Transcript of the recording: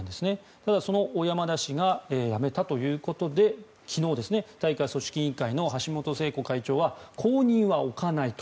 ただ、その小山田氏が辞めたということで昨日、大会組織委員会の橋本聖子会長は後任は置かないと。